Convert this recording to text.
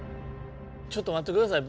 ちょっとまってください。